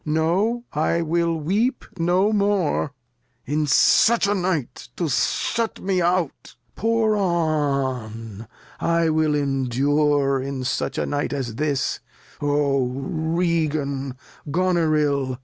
No, I will no more ; in such a Night To shut me out Pour on, I wiU endure In such a Night as this : O Regan, Goneril